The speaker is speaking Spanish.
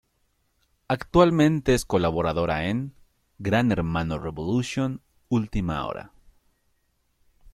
Actualmente es colaboradora en "Gran Hermano Revolution: Ultima Hora".